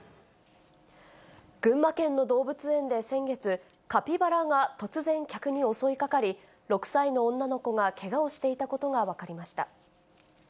群馬県の動物園で先月、カピバラが突然、客に襲いかかり、６歳の女の子がけがをしていたことが分かりました。